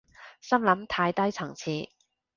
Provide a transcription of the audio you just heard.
心諗太低層次